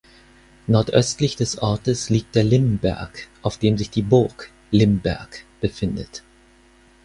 Nordöstlich des Ortes liegt der Limberg auf dem sich die Burg Limberg befindet.